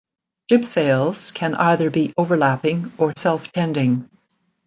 Jib sails can either be overlapping or self-tending.